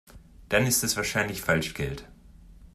Dann ist es wahrscheinlich Falschgeld.